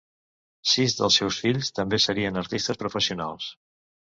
Sis dels seus fills també serien artistes professionals.